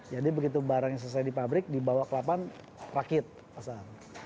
jadi begitu barang yang selesai di pabrik dibawa ke lapangan rakit pasang